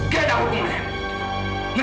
gak ada hukumnya